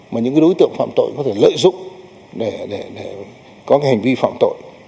mà những đối tượng phạm tội có thể lợi dụng để có hành vi phạm tội